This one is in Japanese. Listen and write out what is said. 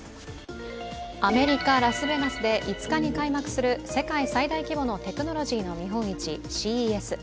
アメリカ・ラスベガスで、５日に開幕する世界最大規模のテクノロジーの見本市、ＣＥＳ。